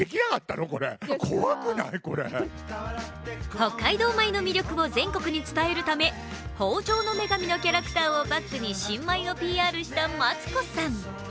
北海道米の魅力を全国に伝えるため豊穣の女神のキャラクターをバックに新米をＰＲしたマツコさん。